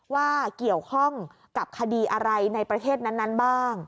ว่าเกี่ยวข้องกับคดีอะไรในประเทศนั้นบ้าง